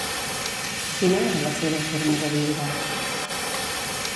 Quina era la seva forma de viure?